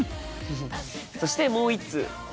フフッそしてもう一通。